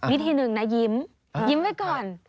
วิธีหนึ่งนะยิ้มยิ้มไว้ก่อน